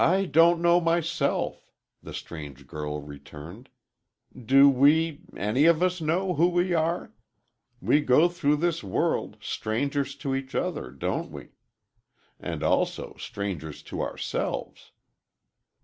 "I don't know, myself," the strange girl returned. "Do we, any of us know who we are? We go through this world, strangers to each other—don't we? And also, strangers to ourselves."